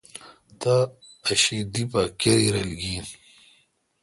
تا اک شی دی پا کری رل گین۔